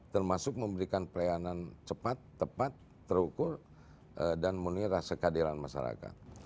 termasuk memberikan perlayanan cepat tepat terukur dan menirah sekadiran masyarakat